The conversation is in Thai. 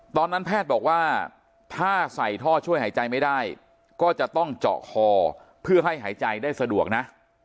แพทย์บอกว่าถ้าใส่ท่อช่วยหายใจไม่ได้ก็จะต้องเจาะคอเพื่อให้หายใจได้สะดวกนะ